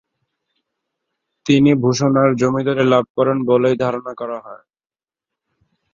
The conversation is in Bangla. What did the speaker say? তিনি ভূষণার জমিদারী লাভ করেন বলেই ধারণা করা হয়।